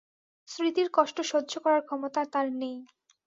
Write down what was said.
স্মৃতির কষ্ট সহ্য করার ক্ষমতা তাঁর নেই।